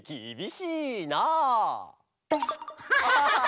アハハハハ！